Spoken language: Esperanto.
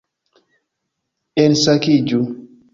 Ensakiĝu